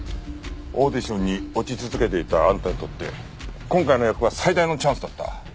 オーディションに落ち続けていたあんたにとって今回の役は最大のチャンスだった。